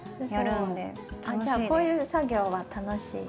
じゃあこういう作業は楽しい？